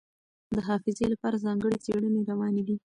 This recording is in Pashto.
د حافظې لپاره ځانګړې څېړنې روانې دي.